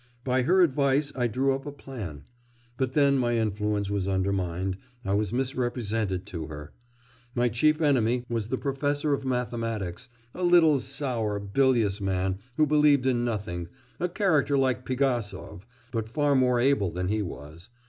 By her advice I drew up a plan.... But then my influence was undermined, I was misrepresented to her. My chief enemy was the professor of mathematics, a little sour, bilious man who believed in nothing, a character like Pigasov, but far more able than he was....